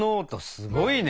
すごいね。